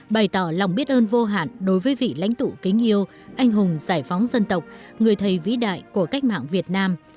bày tỏ lòng biết ơn vô hạn đối với vị lãnh tụ kính yêu anh hùng giải phóng dân tộc người thầy vĩ đại của cách mạng việt nam